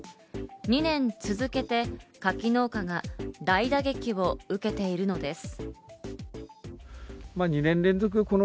２年続けて柿農家が大打撃を受けているのです。